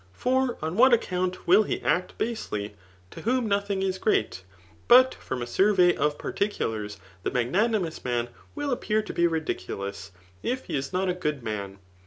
For on vAi/t •aocount will lie .act ^asely9 to whom nothing is great Jfot .fiom a sufvey #f particidars, the magnanimous man will appear to be ri^eulous, if he is not a good man.